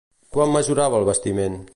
Quant mesurava el bastiment?